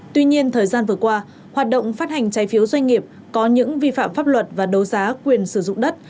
tuy nhiên thời gian vừa qua hoạt động phát hành trái phiếu doanh nghiệp có những vi phạm pháp luật và đấu giá quyền sử dụng đất